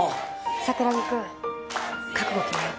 桜木くん覚悟決めよう。